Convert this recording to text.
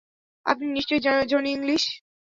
আপনি নিশ্চয়ই Johnny English.